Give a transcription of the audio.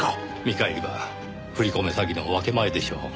見返りは振り込め詐欺の分け前でしょう。